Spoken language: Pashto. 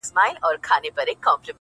شېخ د خړپا خبري پټي ساتي _